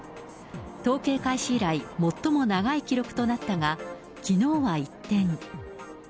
統計開始以来、最も長い記録となったが、きのうは一転。